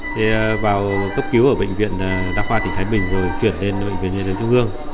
thế vào cấp cứu ở bệnh viện đa khoa thị thái bình rồi chuyển lên bệnh viện nhân dân thương hương